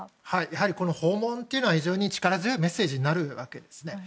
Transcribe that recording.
やはり訪問というのは非常に力強いメッセージになるわけですね。